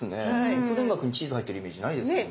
みそ田楽にチーズ入ってるイメージないですよね。